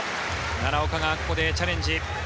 奈良岡がここでチャレンジ。